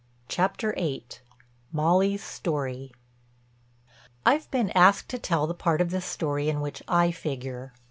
CHAPTER VIII—MOLLY'S STORY I've been asked to tell the part of this story in which I figure.